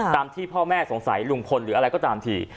ที่พ่อแม่สงสัยลุงพลหรืออะไรก็ตามที